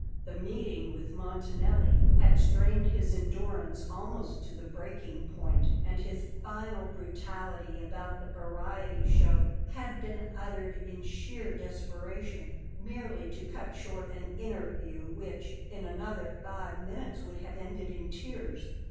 The meeting with Montanelli had strained his endurance almost to breaking point; and his final brutality about the variety show had been uttered in sheer desperation, merely to cut short an interview which, in another five minutes, would have ended in tears.